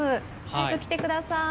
早く来てください！